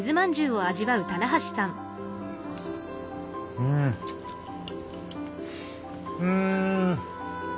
うんうん！